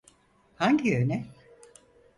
Hangi yöne?